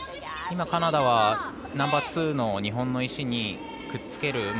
今、カナダはナンバーツーの日本の石にくっつける。